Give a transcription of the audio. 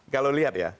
kalau lihat ya